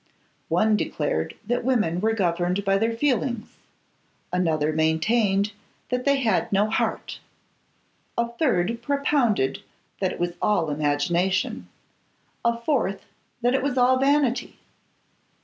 One declared that women were governed by their feelings; another maintained that they had no heart; a third propounded that it was all imagination; a fourth that it was all vanity.